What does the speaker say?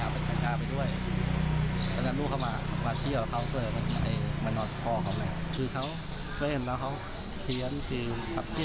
พี่สาวบอกว่าเขาเรียกว่าเขาจำไข่ไม่ได้